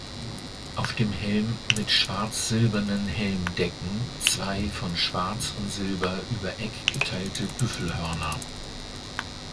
Auf dem Helm mit schwarz-silbernen Helmdecken zwei von Schwarz und Silber übereck geteilte Büffelhörner.